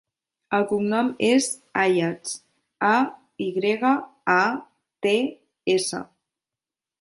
El cognom és Ayats: a, i grega, a, te, essa.